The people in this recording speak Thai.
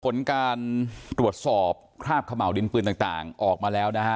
ผลการตรวจสอบคราบขม่าวดินปืนต่างออกมาแล้วนะฮะ